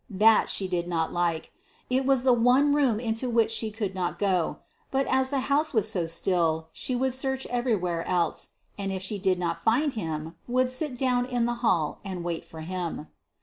That she did not like. It was the one room into which she could not go. But, as the house was so still, she would search everywhere else, and if she did not find him, would then sit down in the hall and wait for him.